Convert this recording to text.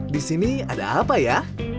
di sini ada apa ya